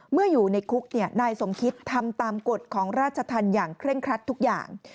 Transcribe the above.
อยู่ในคุกนายสมคิดทำตามกฎของราชธรรมอย่างเคร่งครัดทุกอย่าง